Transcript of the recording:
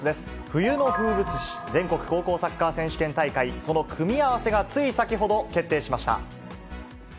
冬の風物詩、全国高校サッカー選手権大会、その組み合わせがつい先ほど、決定しました。